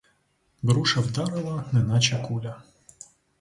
Груша вдарила, неначе куля.